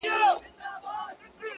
د سترگو تور مي د ايستو لائق دي.